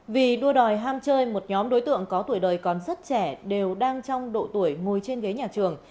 vì đua đòi ham chơi một nhóm đối tượng có tuổi đời còn rất trẻ đều đang trong độ tuổi ngồi trên ghế nhà trường